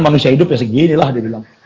manusia hidup ya seginilah dia bilang